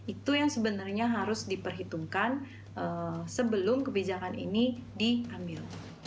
itu yang sebenarnya harus diperhitungkan sebelum kebijakan ini diambil